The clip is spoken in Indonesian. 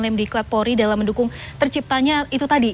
lemdiklat polri dalam mendukung terciptanya itu tadi